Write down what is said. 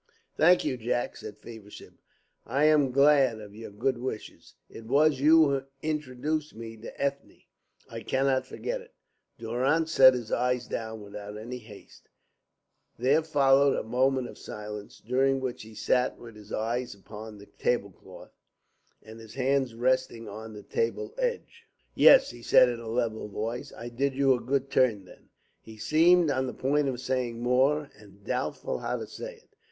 "Thank you, Jack!" said Feversham. "I am glad of your good wishes. It was you who introduced me to Ethne; I cannot forget it." Durrance set his glass down without any haste. There followed a moment of silence, during which he sat with his eyes upon the tablecloth, and his hands resting on the table edge. "Yes," he said in a level voice. "I did you a good turn then." He seemed on the point of saying more, and doubtful how to say it.